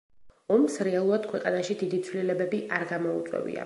ომს რეალურად ქვეყანაში დიდი ცვლილებები არ გამოუწვევია.